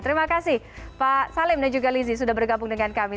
terima kasih pak salim dan juga lizzie sudah bergabung dengan kami